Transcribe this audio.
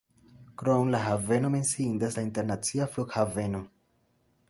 Krom la haveno menciindas la internacia flughaveno.